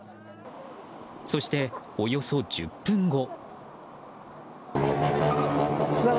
そして、およそ１０分後。